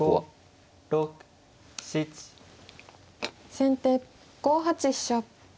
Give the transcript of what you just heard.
先手５八飛車。